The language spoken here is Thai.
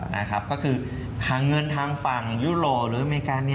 นะครับก็คือค่าเงินทางฝั่งยุโรหรืออเมริกา